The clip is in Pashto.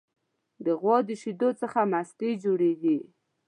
د غوا د شیدو څخه مستې جوړیږي.